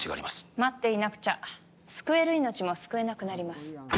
待っていなくちゃ救える命も救えなくなります